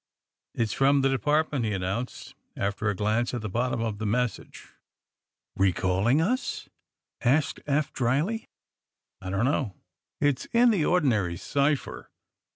*^It's from the Department," he announced, after a glance at the bottom of the message. Recalling us?" asked Eph dryly. I don't know. It's in the ordinary cipher.